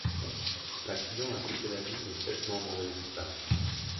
L'accident a coûté la vie aux sept membres de l'équipage.